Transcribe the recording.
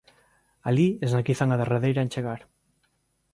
Alí esnaquizan a derradeira en chegar